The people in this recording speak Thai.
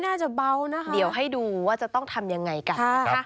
เดี๋ยวให้ดูว่าจะต้องทำยังไงกัน